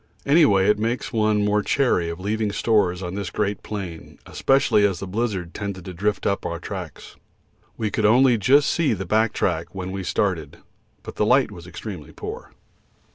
Any way it makes one more chary of leaving stores on this great plain, especially as the blizzard tended to drift up our tracks. We could only just see the back track when we started, but the light was extremely poor.